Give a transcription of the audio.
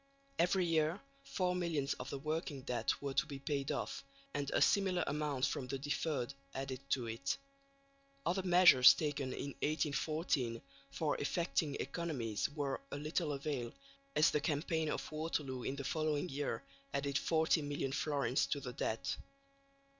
Every year four millions of the "working debt" were to be paid off, and a similar amount from the "deferred" added to it. Other measures taken in 1814 for effecting economies were of little avail, as the campaign of Waterloo in the following year added 40 million florins to the debt.